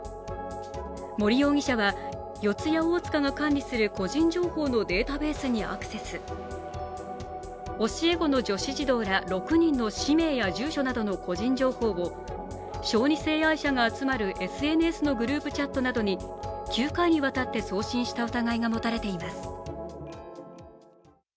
森容疑者は、四谷大塚の管理する個人情報のデータベースにアクセス、教え子の女子児童ら６人の氏名や住所などの個人情報を小児性愛者が集まるＳＮＳのグループチャットなどに９回にわたって送信した疑いが持たれています。